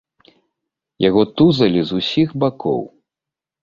Яго тузалі з усіх бакоў.